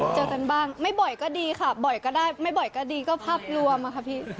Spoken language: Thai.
เจอกันบ้างไม่บ่อยก็ดีค่ะบ่อยก็ได้ไม่บ่อยก็ดีก็ภาพรวมอะค่ะพี่